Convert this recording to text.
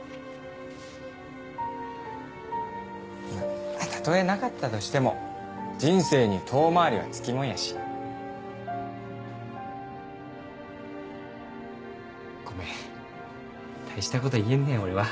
うんたとえなかったとしても人生に遠回りは付きもんやし。ごめん大したこと言えんね俺は。